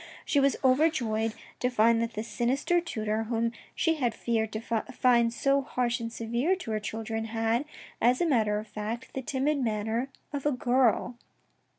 She was over joyed to find that this sinister tutor, whom she had feared to find so harsh and severe to her children, had, as a matter of fact, the timid manner of a girl.